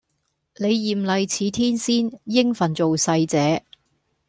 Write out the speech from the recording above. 你艷麗似天仙應份做世姐